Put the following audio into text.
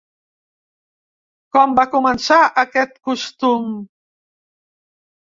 Com va començar aquest costum?